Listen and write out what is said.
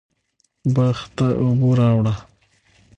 باغ ته اوبه راواړوه